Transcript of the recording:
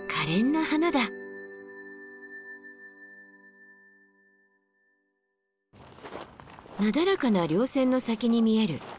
なだらかな稜線の先に見える双六岳。